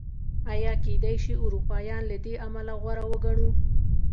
ایا کېدای شي اروپایان له دې امله غوره وګڼو؟